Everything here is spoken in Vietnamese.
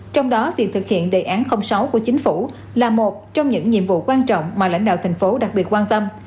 trong đó việc thực hiện đề án sáu của chính phủ là một trong những nhiệm vụ quan trọng mà lãnh đạo thành phố đặc biệt quan tâm